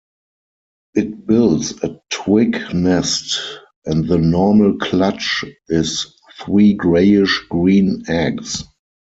It builds a twig nest and the normal clutch is three greyish-green eggs.